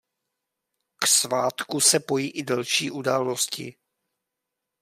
K svátku se pojí i další události.